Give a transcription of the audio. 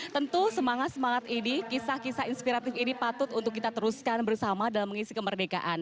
tentu semangat semangat ini kisah kisah inspiratif ini patut untuk kita teruskan bersama dalam mengisi kemerdekaan